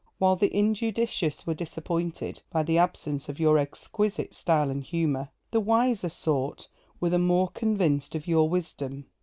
While the injudicious were disappointed by the absence of your exquisite style and humour, the wiser sort were the more convinced of your wisdom.